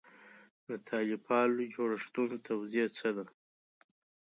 د طالب پالو جوړښتونو توضیح څه ده.